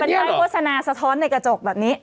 ป้ายโศตรณาแสท้อนในกระจกแบบนี้